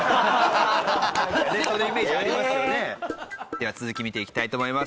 では続き見ていきたいと思います。